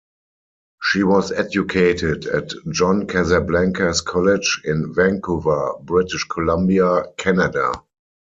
She was educated at John Casablanca's College in Vancouver, British Columbia, Canada.